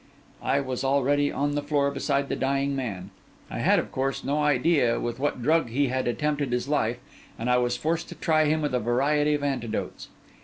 I was already on the floor beside the dying man. I had, of course, no idea with what drug he had attempted his life, and I was forced to try him with a variety of antidotes.